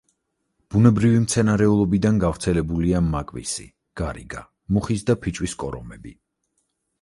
ბუნებრივი მცენარეულობიდან გავრცელებულია მაკვისი, გარიგა, მუხის და ფიჭვის კორომები.